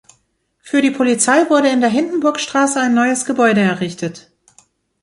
Für die Polizei wurde in der Hindenburgstraße ein neues Gebäude errichtet.